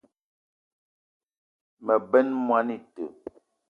Me benn moni ite